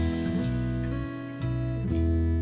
ขอต้อนรับครอบครัวน้องต้นไม้